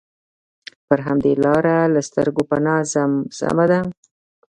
پر همدې لاره له سترګو پناه ځم، سمه ده.